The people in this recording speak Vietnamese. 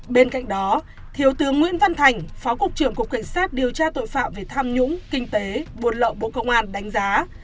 bên cạnh đó thiếu tướng nguyễn văn thành phó cục trưởng cục cảnh sát điều tra tội phạm về tham nhũng kinh tế buôn lậu bộ công an đánh giá